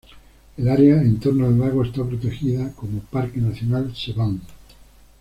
El área en torno al lago está protegida como Parque nacional Seván.